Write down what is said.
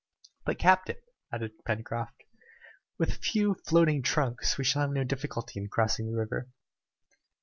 "But, captain," added Pencroft, "with a few floating trunks we shall have no difficulty in crossing the river."